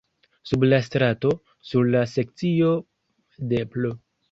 Sub la strato, sur la sekcio de pl.